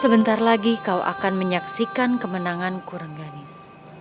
sebentar lagi kau akan menyaksikan kemenanganku rangganis